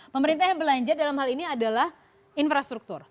pemerintah yang belanja dalam hal ini adalah infrastruktur